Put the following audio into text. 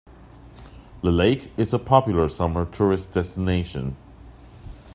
The lake is a popular summer tourist destination.